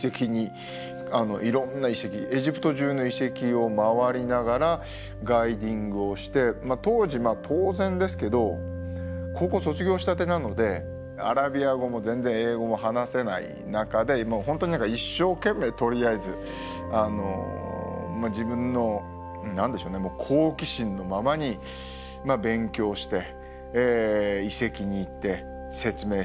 エジプト中の遺跡を回りながらガイディングをして当時当然ですけど高校卒業したてなのでアラビア語も全然英語も話せない中で本当に一生懸命とりあえず自分の好奇心のままに勉強して遺跡に行って説明して。